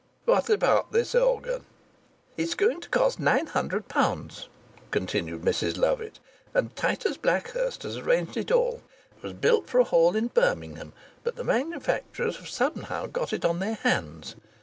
"What about this organ?" "It's going to cost nine hundred pounds," continued Mrs Lovatt, "and Titus Blackhurst has arranged it all. It was built for a hall in Birmingham, but the manufacturers have somehow got it on their hands.